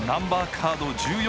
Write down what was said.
カード１４